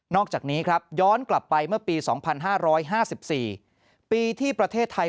อกจากนี้ครับย้อนกลับไปเมื่อปี๒๕๕๔ปีที่ประเทศไทย